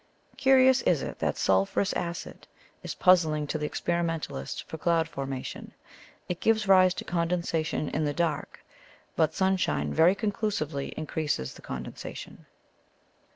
Curious is it that sulphurous acid is puzzling to the experimentalist for cloud formation. It gives rise to condensation in the dark; but sunshine very conclusively increases the condensation.